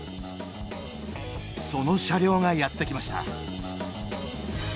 その車両がやって来ました。